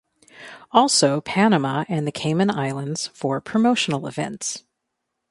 Also Panama and the Cayman Islands for promotional events.